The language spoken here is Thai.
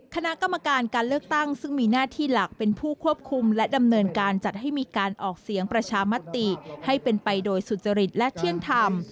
คณะกรรมการการเลือกตั้งซึ่งมีหน้าที่หลักเป็นผู้ควบคุมและดำเนินการจัดให้มีการออกเสียงประชามติให้เป็นไปโดยสุจริตและเที่ยงธรรม